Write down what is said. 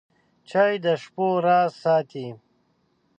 چای د شپو راز ساتي.